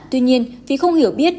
tuy nhiên vì không hiểu biết